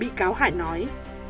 bị cáo hải nói